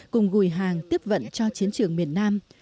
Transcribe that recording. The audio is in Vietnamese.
cùng gùi hàng tiếp vận cho chiến trường miền nam